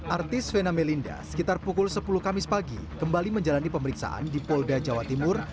artis vena melinda sekitar pukul sepuluh kamis pagi kembali menjalani pemeriksaan di polda jawa timur